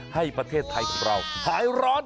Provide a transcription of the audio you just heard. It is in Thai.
ให้ประเทศไทยของเราหายร้อน